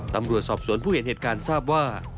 ตำรวจสอบสวนผู้เห็นเหตุการณ์ทราบว่า